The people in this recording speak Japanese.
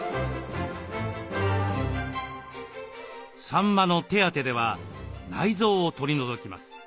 さんまの「手当て」では内臓を取り除きます。